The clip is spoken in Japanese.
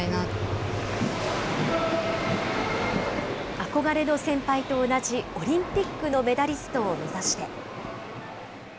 憧れの先輩と同じオリンピックのメダリストを目指して。